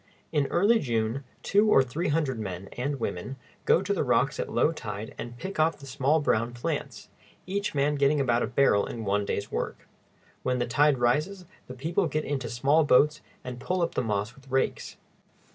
In early June, two or three hundred men and women go to the rocks at low tide and pick off the small brown plants, each man getting about a barrel in one day's work. When the tide rises, the people get into small boats and pull up the moss with rakes.